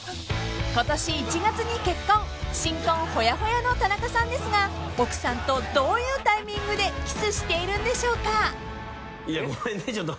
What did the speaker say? ［今年１月に結婚新婚ほやほやの田中さんですが奥さんとどういうタイミングでキスしているんでしょうか？］いやごめんねちょっと。